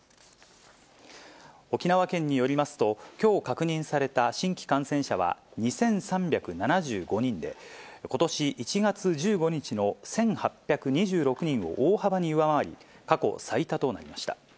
沖縄県によりますと、きょう確認された新規感染者は２３７５人で、ことし１月１５日の１８２６人を大幅に上回り、過去最多となりました。